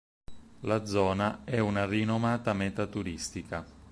La zona è una rinomata meta turistica.